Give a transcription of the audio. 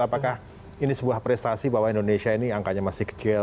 apakah ini sebuah prestasi bahwa indonesia ini angkanya masih kecil